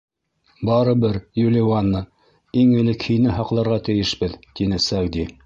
— Барыбер, Юливанна, иң элек һине һаҡларға тейешбеҙ, — тине Сәғди.